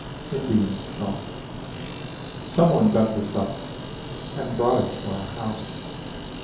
INDIAN SKULL Some one dug this up and brought it To our house.